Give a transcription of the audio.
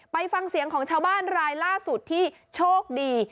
ไปฟังเสียงของชาวบ้านรายล่าสุดที่โชคดี